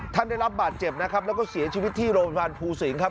ท่านได้รับบาดเจ็บนะครับแล้วก็เสียชีวิตที่โรงพยาบาลภูสิงครับ